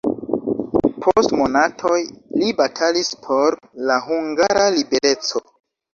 Post monatoj li batalis por la hungara libereco.